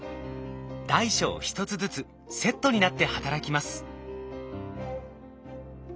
大小１つずつセットになって働きます。